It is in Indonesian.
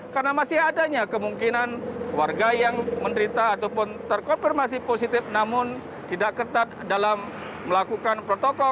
karena masih adanya kemungkinan warga yang menderita ataupun terkonfirmasi positif namun tidak ketat dalam melakukan protokol